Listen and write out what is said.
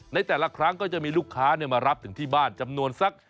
ในแต่ละครั้งก็จะมีลูกค้ามารับถึงที่บ้านจำนวนสัก